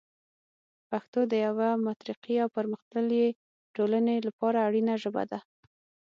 پښتو د یوه مترقي او پرمختللي ټولنې لپاره اړینه ژبه ده.